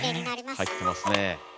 入ってますねえ。